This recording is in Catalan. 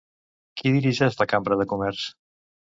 Qui dirigeix la Cambra de Comerç?